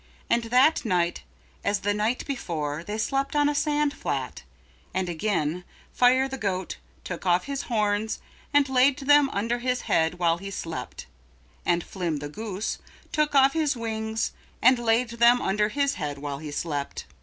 And that night as the night before they slept on a sand flat. And again Fire the Goat took off his horns and laid them under his head while he slept and Flim the Goose took off his wings and laid them under his head while he slept.